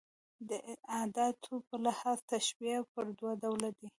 د اداتو په لحاظ تشبېه پر دوه ډوله ده.